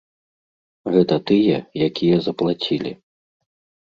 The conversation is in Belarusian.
Гэта тыя, якія заплацілі.